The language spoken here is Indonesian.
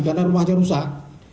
karena rumahnya rusak